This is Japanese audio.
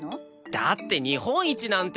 だって日本一なんて。